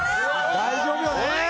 大丈夫よね。